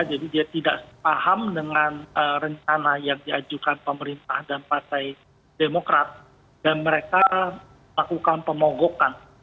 jadi dia tidak paham dengan rencana yang diajukan pemerintah dan partai demokrat dan mereka lakukan pemogokan